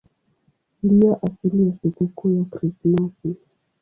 Ndiyo asili ya sikukuu ya Krismasi.